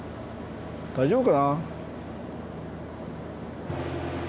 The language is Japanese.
大丈夫かな。